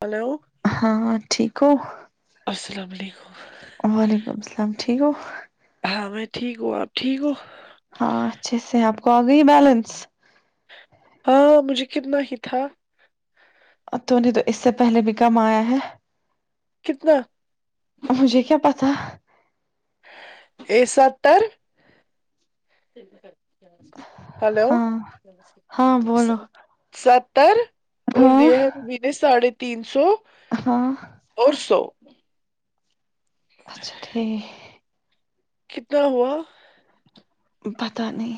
Hello ہاں ٹھیک ہو السلام علیکم وعلیکم السلام ٹھیک ہو ہاں میں ٹھیک ہوں آپ ٹھیک ہوں ہاں اچھا سے آپ کو آگے ہی بیلنس ہاں مجھے کتنا ہی تھا تو نے تو اس سے پہلے بھی کمایا ہے کتنا مجھے کیا پتا اے ستر ہیلو ہاں ہاں بولو ستر اور ہاں دئیے ہیں روبی نے ساڑھے تین سو ہاں اور سو اچھا ٹھیک کتنا ہوا پتا نہیں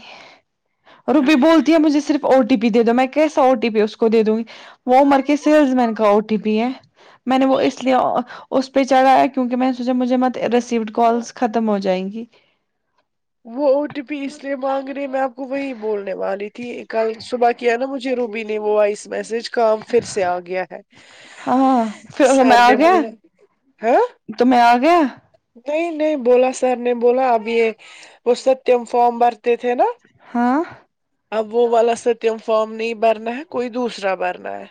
اور روبی بھی بولتی ہیں مجھے صرف او ٹی پی دے دو میں کیسا او ٹی پی اس کو دے دوں گی وہ عمر کے سیلز مین کا او ٹی پی ہے میں نے وہ اس لیے اس پہ چڑھایا کیونکہ میں نے سوچا مجھے مت ریسیوڈ کالس ختم ہو جائیں گی وہ او ٹی پی اس لیے مانگ رہی میں آپ کو وہی بولنے والی تھی کل صبح کیا نا مجھے روبی نہیں وہ وائس میسج کام پھر سے آ گیا ہے ہاں پھر وہ میں سر آ نے گیا بولا ہاں تمھیں آگیا نہیں نہیں بولا سر نے بولا اب یہ وہ ستم فم بھرتے تھے نا ہاں اب وہ والا ستیم فارم نہیں بھرنا ہے کوئی دوسرا بھرنا ہے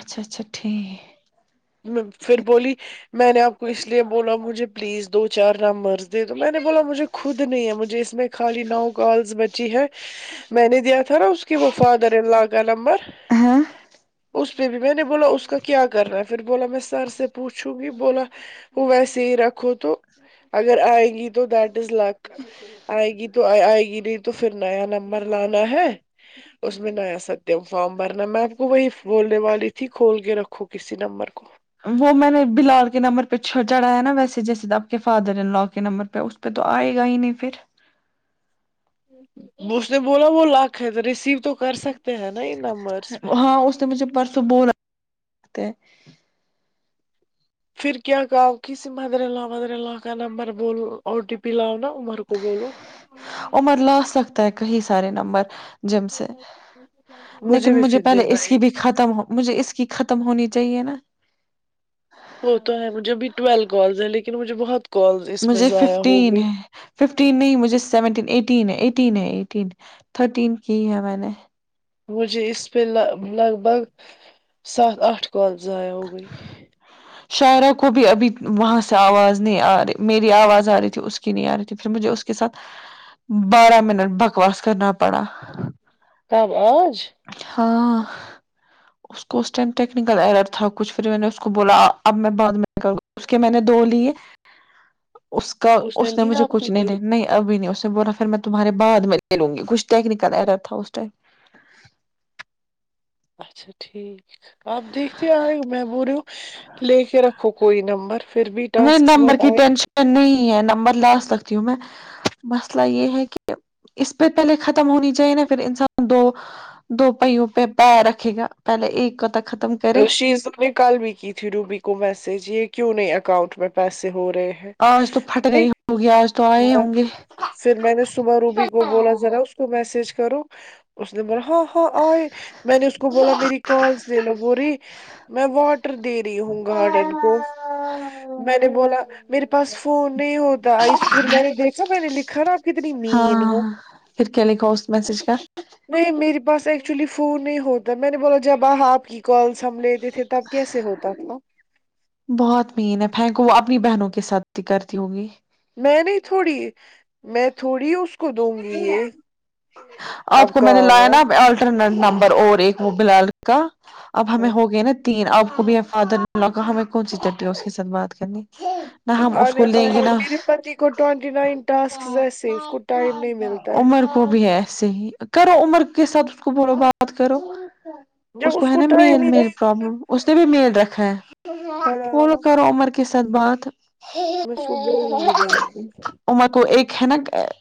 اچھا اچھا ٹھیک پھر بولی میں نے آپ کو اس لیے بولا مجھے پلیز دو چار نمبر دے تو میں نے بولا مجھے خود نہیں ہے مجھے اس میں خالی نو کالس بچی ہے میں نے دیا تھا نا اس کی وہ فادر ان لاء کا نمبر و اس پہ بھی میں نے بولا اس کا کیا کر رہا ہے پھر بولا میں سر سے پوچھوں گی بولا وہ ویسے ہی رکھو تو اگر آئے گی تو دیٹ از لک آئے گی تو تو آئے گی نہیں تو پھر نیا نمبر لانا ہے اس میں نیا ستم فارم بھرنا میں آپ کو وہی بولنے والی تھی کھول کے رکھو کسی نمبر کو وہ میں نے بلال کے نمبر پہ چھڑ چڑھایا نا ویسے جیسے تھا کہ فادر ان لا کے نمبر پہ اس پہ تو آئے گا ہی نہیں پھر اس نے بولا وہ لاک ہے تو ریسیو تو کر سکتے ہیں نا ان نمبرس پہ اس نے مجھے پرسوں بولا کہ پھر کیا کہاؤ کسی مدر اللہ مدر اللہ کا نمبر بول او ٹی پی لاؤ نا عمر کو بولو عمر لا سکتا ہے کہیں سارے نمبر جم سے لیکن بھی مجھے پھر پہلے دینا اس کی بھی ایک ختم مجھے اس کی ختم ہونی چاہیے نا وہ تو ہے مجھے ابھی ٹویلو کالز ہیں لیکن مجھے بہت کالز اس میں مجھے ضائع ہو ففٹین گئی ہے ففٹین نہیں مجھے سیونٹین ایٹین ہے ایٹین ہے ایٹین تھرٹین کی ہے میں نے مجھے اس پہ لگ بھگ سات آٹھ کال ضائع ہو گئی شاعرہ کو بھی ابھی وہاں سے آواز نہیں آ رہی میری آواز آ رہی تھی اس کی نہیں آ رہی تھی پھر مجھے اس کے ساتھ بارہ منٹ بکواس کرنا پڑا کب آج ہاں اس کو اس ٹائم ٹیکنیکل ائر تھا کچھ پھر میں نے اس کو بولا اب میں بعد میں کر اس کے میں نے دو لیے اس کا اس نے لیا مجھے آپ کچھ کی نہیں کوئی لے نہیں ابھی نہیں اس نے بولا پھر میں تمہارے بعد میں لوں گی کچھ ٹیکنیکل ایرر تھا اس ٹائم اچھا ٹھیک آپ دیکھتے آ رہئے ہو میں بول رہی ہوں لے کے رکھو کوئی نمبر پھر بھی نہیں ٹاسکس نمبر مت کی آئے ٹینشن نہیں ہے نمبر لا سکتی ہوں میں مسئلہ یہ ہے کہ اس پہ پہلے ختم ہونی چاہیے نہ پھر انسان دو دو پہوں پہ پیر رکھے گا پہلے ایک کا تو ختم کرے شیز نے کل بھی کی تھی روبی کو میسج یہ کیوں نہیں اکاؤنٹ میں پیسے ہو رہے ہیں آج تو پھٹ رہی ہوگی آج تو آئے ایک- ہوں گے پھر میں نے صبح روبی کو بولا ذرا اس کو میسج کرو اس نے بولا ہاں ہاں آئے میں نے اس کو بولا میری کال لو بولی میں واٹر دے رہی ہوں گارڈن کو میں نے بولا میرے پاس فون نہیں ہوتا اس پھر میں نے دیکھا میں نے لکھا نا آپ کتنی مین ہو ہاں پھر کیا لکھا اس میسج کا نہیں میرے پاس ایکچولی فون نہیں ہوتا میں نے بولا جب آ آپ کی کالس ہم لیتے پھر تب کیسے ہوتا تھا بہت مین ہے پھینک وہ اپنی بہنوں کے ساتھ کرتی ہوگی میں نہیں تھوڑی میں تھوڑی اس کو دوں گی یہ آپ اب کو میں نے کام لایا وام۔ نا آ نمبر اور ایک وہ بلال کا اب ہمیں ہاں ہو گئے نا تین آپ کو بھی فادر نے [unintelligible] کہا ہمیں کون سی چٹیا اس کے ساتھ بات کرنی نہ اب ہم اس آنے کو لیں گے چاہیے نہ میرے پتی کو ٹوینٹی نائن ٹاسک جیسے اس کو ٹائم نہیں ملتا ہے عمر کو بھی ہے ایسے ہی کرو عمر کے ساتھ اس کو بولو بات کرو اس جب کو ہے نا ٹائم میل ہی میل نہیں پرابلم اس نے بھی میل رکھا ہے فولو ہاں کرو عمر کے ساتھ بات میں اسکو بولنگی بعد میں عمر کو ایک ہے نا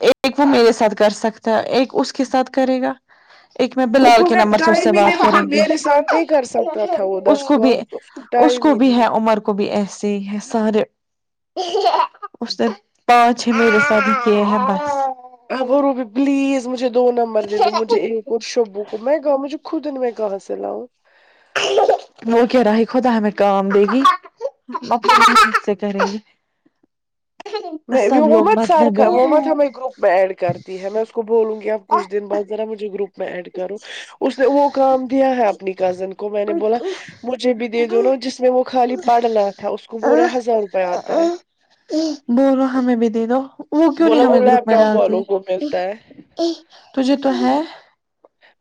ایک وہ میرے ساتھ کر سکتا ہے ایک اس کے ساتھ کرے گا ایک میں اس بلال کو کے جب نمبر سے اس سے ٹائم ہی نہیں بات نے کروں گی میرے ساتھ نہیں کر سکتا تھا وہ اس دس کو بھی کال اس کو اس ٹائم کو ہی بھی نہیں ہے عمر کو بھی ایسے ہے سارے اس نے پانچ ہی میرے سات کیے ہیں بس اب روبی پلیز مجھے دو نمبر دے دو مجھے ایک اور شبو کو میں گاؤ مجھے خود میں کہاں سے لاوں وہ کہ رہا خدا ہمیں کام دے گی [unintelligible] سے کریں گے میں سب وہ لوگ مت سرک مطلبی وہ مت ہیں ہم گروپ میں ایڈ کرتی ہے میں اس کو بولوں گی اب کچھ دن بعد ذرا مجھے گروپ میں ایڈ کروں اس نے وہ کام دیا ہے اپنی کزن کو میں نے بولا مجھے بھی دے دو نہ جس میں وہ خالی پڑھنا تھا اس کو ب رہے ہزار روپے آتا ہے بولو ہمیں بھی دے دو وہ کیوں نہیں بولا وہ ہمیں گروپ لیپ میں ٹاپ ڈالتی والوں کو ملتا ہے تجھے تو ہے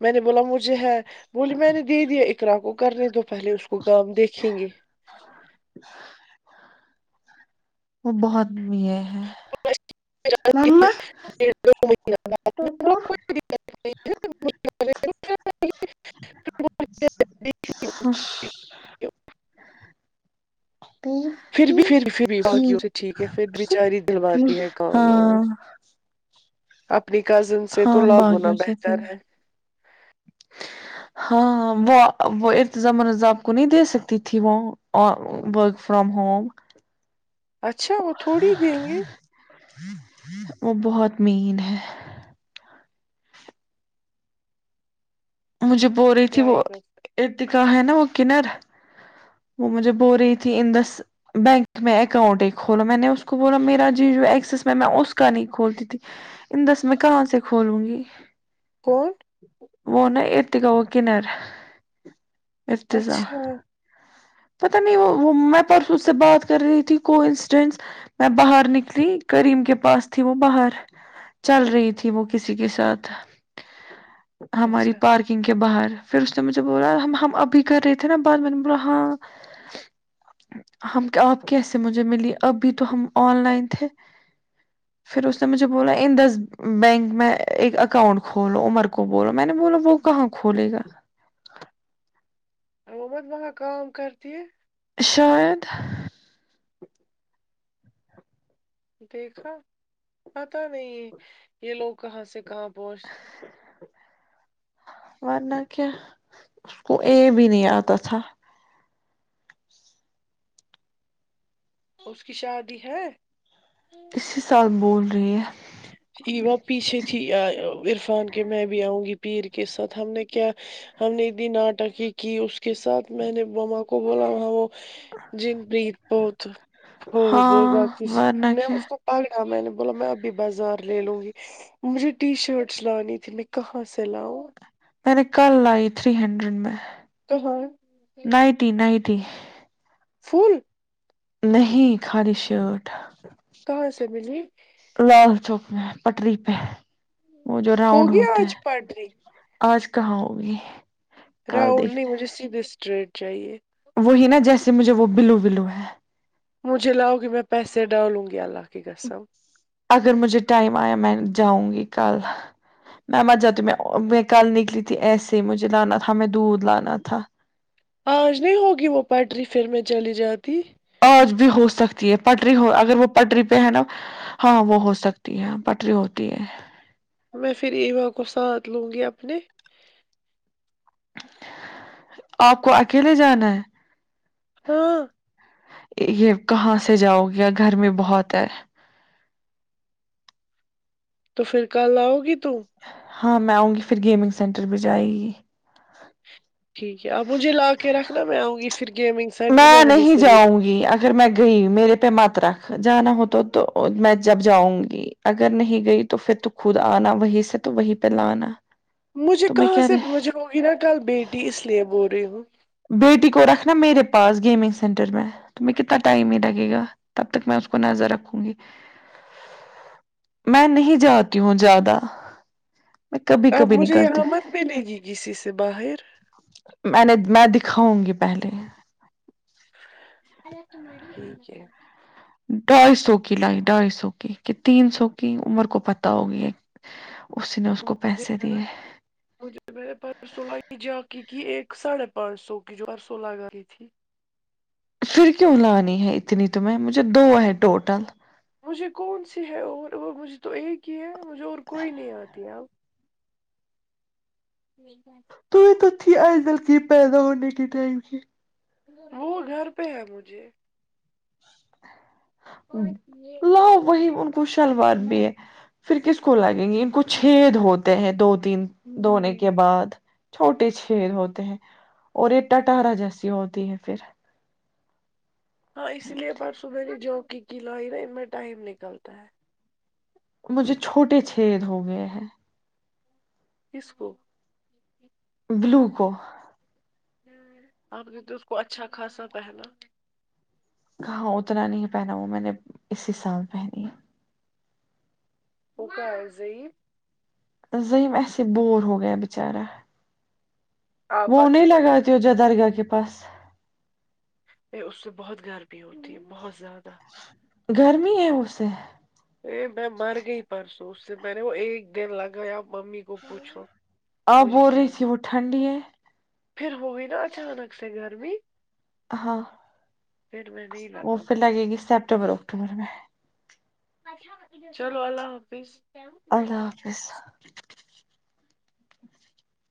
میں نے بولا مجھے ہے بولی میں نے دے دیا اقرا کو کرنے دو پہلے اس کو کام دیکھیں گے وہ بہت یہ ہے [inaudible] تو تو [unintelligible] تی پھر بھی پھر پھر بھی باقیوں سے ٹھیک ہے پھر بچاری دلواتی ہے کام وام ہاں اپنی کزن سے تو ہاں لاکھ گنا باقیوں سے پھر بہتر ہے ہاں وہ وہ [unintelligible] ارتظام مض آاب کو نہیں دے سکتی تھی وہ ورک فرام ہوم اچھا وہ تھوڑی دیں گے وہ بہت مین ہے مجھے بول رہی تھی کیا وہ ہی کر سکتے۔ ارتکا ہے نا وہ کنر وہ مجھے بول رہی تھی اندس بینک میں اکاؤنٹ ہی کھولا میں نے اس کو بولا میرا جی جو ایکسس میں میں اس کا نہیں کھولتی تھی ان دس میں کہاں سے کھولوں گی کون وہ نا ارتکا وہ کنر ارتزا اچھا پتا نہیں وہ میں پرسوں سے بات کر رہی تھی کو انسڈینس میں باہر نکلی کریم کے پاس تھی وہ باہر چل رہی تھی وہ کسی کے ساتھ ہماری اچھا پارکنگ کے باہر پھر اس نے مجھے بولا ہم ہم ابھی کر رہے تھے نا بعد میں نے بولا ہاں ہم کیا آپ کیسے مجھے ملی اب بھی تو ہم آن لائن تھے پھر اس نے مجھے بولا ان دس بینک میں ایک اکاؤنٹ کھولو عمر کو بولو میں نے بولا وہ کہاں کھولے گا حکومت وہاں کام کرتی ہے شاید دیکھا پتا نہیں ہے یہ لوگ کہاں سے کہاں پہنچ ورنہ کیا اس کو اے بھی نہیں آتا تھا اس کی شادی ہے اسی سال بول رہی ہے وہ پیچھے تھی عرفان کہ میں بھی آؤں گی پیر کے ساتھ ہم نے کیا ہم نے ایک دن آٹکی کی اس کے ساتھ میں نے مما کو بولا وہ وہ جی پریت بہت ہو گو ہاں گا جس ورنہ نے کیا اس کو پگڑا میں نے بولا میںب بازار لے لوں گی مجھے ٹی شرٹس لانی تھی میں کہاں سے لاؤ میں نے کل لائی تھری ہنڈریڈ میں تو ہاں نائیٹی نائٹی فول نہیں خالی شرٹ کہاں سے ملی لال چوک میں پٹری پہ وہ جو راؤنڈ ہوگی ہوتتے ہے آج پٹری اج کہاں ہوگی ا راؤڈلی مجھے سیدھے اسٹریٹ چاہیے وہی نا جیسے مجھے وہ بلو بلو ہے مجھے لایو گے میں پیسے ڈالوں گی اللہ کی قسم اگر مجھے ٹائم ایا میں جاؤں گی کل میں مر جاتی میں میں کل نکلی تھی ایسے ہی مجھے لانا تھا دودھ لانا تھا اج نہیں ہوگی وہ پٹری پھر میں چلی جاتی اج بھی ہو سکتی ہے پٹری ہو اگر وہ پٹری پہ ہے نا ہاں وہ ہو سکتی ہے پٹری ہوتی ہے میں پھر ایوا کو ساتھ لوں گی اپنے اپ کو اکیلے جانا ہے ہاں یہ کہاں سے جاؤ گے گھر میں بہت ہے تو پھر کل اؤ گی تم ہاں میں اؤں گی پھر گیمنگ سینٹر بھی جائے گی ٹھیک ہے اپ مجھے لا کے رکھنا میں اؤں گی پھر گیمنگ سینٹر میں وہیں سے لے پھر میں گئی میرے پہ مت رکھ جانا ہو تو تو میں جب جاؤں گی اگر نہیں گئی تو پھر تو خود انا وہیں سے تو وہیں پہ لانا مجھے تو میں کہاں کیا سے مجھے ہوگی نا کل بیٹی اس لیے بول رہی ہوں بیٹی کو رکھنا میرے پاس گیمنگ سینٹر میں تو میں کتنا ٹائم ہی لگے گا تب تک میں اس کو نظر رکھوں گی میں نہیں جاتی ہوں زیادہ میں کبھی اپ کبھی مجھے نکلتی یہاں مت ملے گی کسی سے باہر میں نے میں دکھاؤں گی پہلے اللہ تمہاری ہے ٹھیک ہے ڈھائی سو کی لائی ڈھائی سو کی کہ تین سو کی عمر کو پتہ ہوگی اسی نے اس کو پیسے دیے [unintelligible] مجھے میں نے پرسوں لگ جا کی ایک ساڑھے پانچ سو کی جو پرسوں لگی تھی پھر کیوں لانی ہے اتنی تمھیں مجھے دو ہے ٹوٹل مجھے کون سی ہے اور اور مجھے تو ایک ہی ہے مجھے اور کوئی نہیں اتی ہے اب یہ کیا تو بھی ہا یہ ادل کی پیدا ہونے کے ٹائم کی وہ گھر پہ ہے مجھے لاو وہی ان کو شلوار بھی ہے پھر کس کو لگے گے ان کو چھید ہوتے ہیں دو تین دھونے کے بعد چھوٹے چھید ہوتے ہیں اور یہ ٹارا جیسی ہوتی ہے پھر ہاں اسی لیے پرسو میں نے جاکی لائی نا ان میں ٹائم نکلتا ہے مجھے چھوٹے چھید ہو گئے ہیں کسکو بلو کو اپ نے تو اس کو اچھا خاصا پہنا ہاں اتنا نہیں پہنا وہ میں نے اسی سال پہنی ہے وہ کیا ہے عظیم ایسے بور ہو گیا بچارا آپا وہ نہیں کے بغیر لگاتی ہو جدار گھر کے پاس پہ اس سے بہت گرمی ہوتی ہے بہت زیادہ گرمی ہے اسے میں مر گئی پرسوں اس سے میں نے وہ ایک دن لگایا ممی کو پوچھو آپ مجھے بول رہی کیا تھی وہ ٹھنڈی ہے پھر وہی نا اچانک سے گرمی ہاں پھر میں نہیں وہ لگا پھر پائی لگے گی سپٹمبر اکتوبر میں چلو اللہ حافظ اللہ حافظ